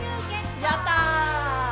やった！